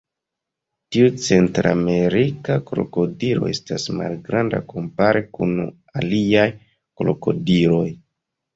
Tiu centramerika krokodilo estas malgranda kompare kun aliaj krokodiloj.